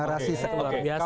narasi luar biasa